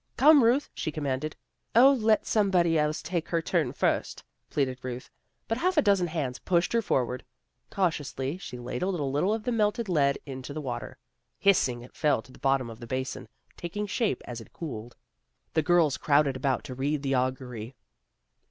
" Come, Ruth," she commanded. A HALLOWE'EN PARTY 73 " 0, let somebody else take her turn first," pleaded Ruth, but half a dozen hands pushed her forward. Cautiously she ladled a little of the melted lead into the water. Hissing it fell to the bottom of the basin, taking shape as it cooled. The girls crowded about to read the augury.